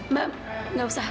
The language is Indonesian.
mbak gak usah